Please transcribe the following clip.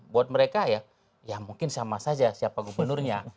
buat mereka ya mungkin sama saja siapa gubernurnya